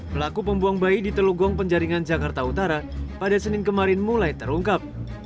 pelaku pembuang bayi di telugong penjaringan jakarta utara pada senin kemarin mulai terungkap